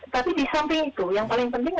tapi di samping itu